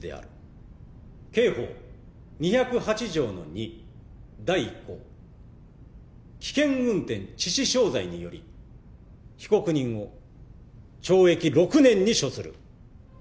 刑法２０８条の２第１項危険運転致死傷罪により被告人を懲役６年に処する。